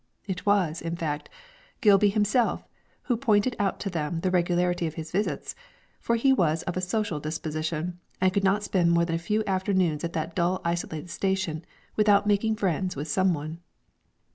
It was, in fact, Gilby himself who pointed out to them the regularity of his visits, for he was of a social disposition, and could not spend more than a few afternoons at that dull isolated station without making friends with some one.